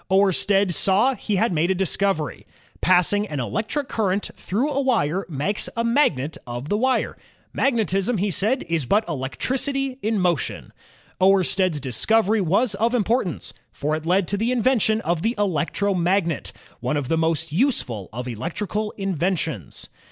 Oersted saw he had made a discovery. Passing an electric current through a wire makes a magnet of the wire. "Magnetism," he said, "is but electnaty in motion." Oersted's discovery was of importance, for it led to the invention of the electromagnet, one of the most useful of electrical inventions.